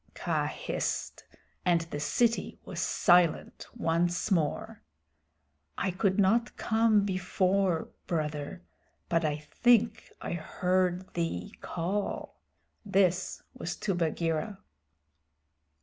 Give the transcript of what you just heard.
Kaa hissed, and the city was silent once more. "I could not come before, Brother, but I think I heard thee call" this was to Bagheera.